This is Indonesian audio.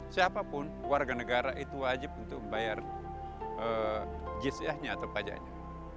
siapapun warga negara itu wajib untuk membayar jiahnya atau pajaknya